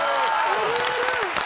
「震える！」